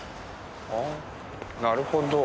ああなるほど。